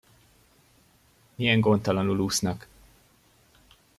Milyen gondtalanul úsznak!